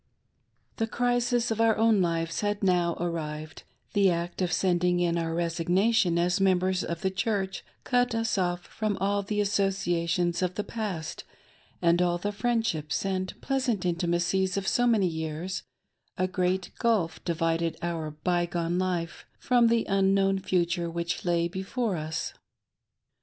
The crisis of our own lives had now arrived ;— the act of •sending in our resignation as members of the Church cut us off from all the associations of the past and all the friendships and pleasant intimacies of so many years ;— a great gulf divided our by gone life from the unknown future which lay before us.